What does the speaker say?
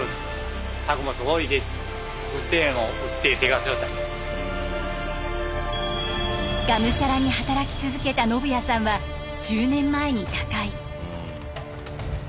がむしゃらに働き続けた信巳さんは１０年前に他界。